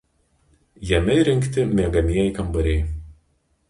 Jame įrengti miegamieji kambariai.